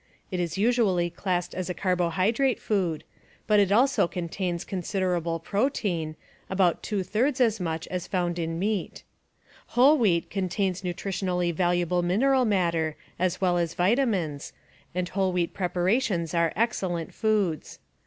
It is usually classed as a carbohydrate food, but it also contains considerable protein, about two thirds as much as found in meat. Whole wheat contains nutritionally valuable mineral matter as well as vitamins, and whole wheat preparations are excellent foods.